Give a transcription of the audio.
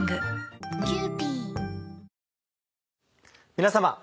皆さま。